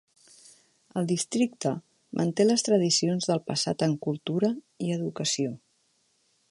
El districte manté les tradicions del passat en cultura i educació.